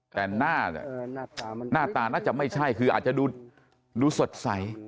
แต่หน้าตาน่าจะไม่ใช่คืออาจจะดูสดใส